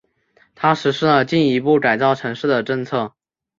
他实施了进一步改造城市的政策。